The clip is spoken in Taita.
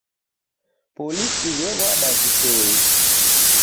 Polisi wewada vitoi.